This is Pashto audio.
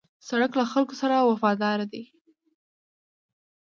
سړک له خلکو سره وفاداره دی.